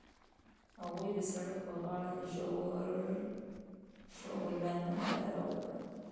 هغوی د سړک پر غاړه د ژور شعله ننداره وکړه.